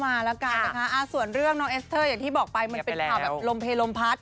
มันเป็นข่าวแบบลมเพลลมพัด